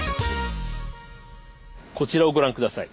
こちらをご覧下さい。